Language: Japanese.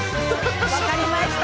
分かりました。